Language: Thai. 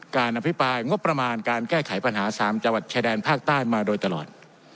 อภิปรายงบประมาณการแก้ไขปัญหา๓จังหวัดชายแดนภาคใต้มาโดยตลอด